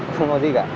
không có gì cả